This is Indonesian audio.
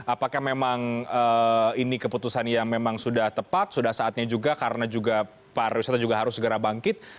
apakah memang ini keputusan yang memang sudah tepat sudah saatnya juga karena juga pariwisata juga harus segera bangkit